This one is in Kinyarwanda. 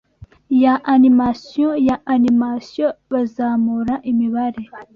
ya animasiyo ya animasiyo, bazamura imibare